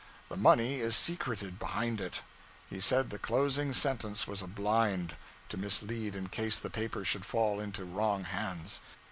The money is secreted behind it. He said the closing sentence was a blind, to mislead in case the paper should fall into wrong hands.